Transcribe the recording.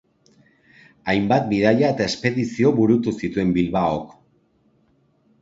Hainbat bidaia eta espedizio burutu zituen Bilbaok.